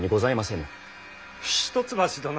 一橋殿。